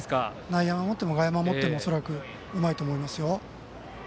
内野を守っても、外野を守っても恐らくうまいと思います。